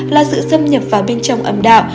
là sự dâm nhập vào bên trong âm đạo